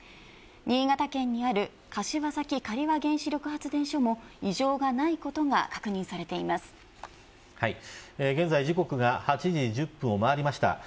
新潟県にある柏崎刈羽原子力発電所も異常がないことが現在、時刻が８時１０分をまわりました。